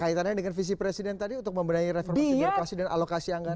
kaitannya dengan visi presiden tadi untuk membenahi reformasi birokrasi dan alokasi anggaran